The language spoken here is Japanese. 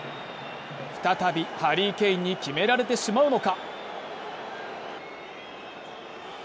再びハリー・ケインに決められてしまうのか。